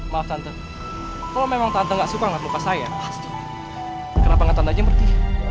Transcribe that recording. maaf tante kalau memang tante gak suka ngapain dengan saya kenapa gak tante aja pergi